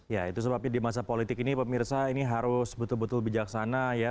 ya itu sebabnya di masa politik ini pemirsa ini harus betul betul bijaksana ya